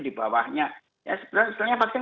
di bawahnya sebenarnya vaksin